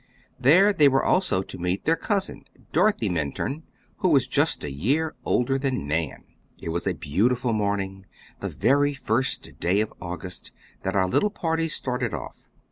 There they were also to meet their cousin, Dorothy Minturn, who was just a year older than Nan. It was a beautiful morning, the very first day of August, that our little party started off.